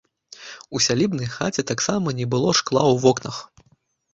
У сялібнай хаце таксама не было шкла ў вокнах.